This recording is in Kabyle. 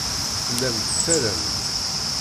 Tellam tettarram-d.